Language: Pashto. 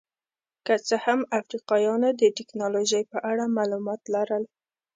که څه هم افریقایانو د ټکنالوژۍ په اړه معلومات لرل.